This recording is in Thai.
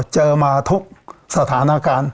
เจอมาทุกสถานการณ์